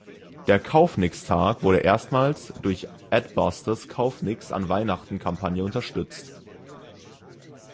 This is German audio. Der Kauf-nix-Tag wurde erstmals durch Adbusters Kauf-nix-an-Weihnachten-Kampagne unterstützt.